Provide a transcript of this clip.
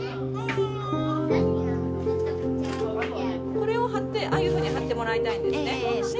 これを貼ってああいうふうに貼ってもらいたいんですね。